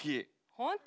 本当？